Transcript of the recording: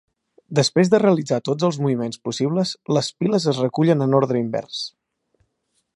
Després de realitzar tots els moviments possibles, les piles es recullen en ordre invers.